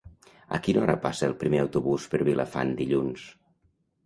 A quina hora passa el primer autobús per Vilafant dilluns?